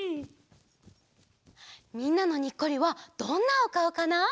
みんなのニッコリはどんなおかおかな？